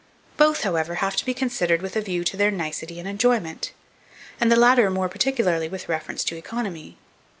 Both, however, have to be considered with a view to their nicety and enjoyment; and the latter more particularly with reference to economy.